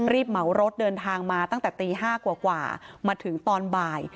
เหมารถเดินทางมาตั้งแต่ตี๕กว่ามาถึงตอนบ่าย